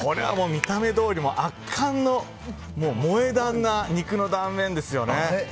見た目どおり圧巻の萌え断な肉の断面ですよね。